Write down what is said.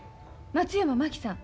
松山真紀さん。